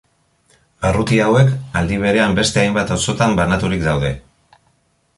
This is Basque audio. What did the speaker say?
Barruti hauek aldi berean beste hainbat auzotan banaturik daude.